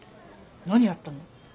何やったの？